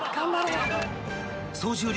［総重量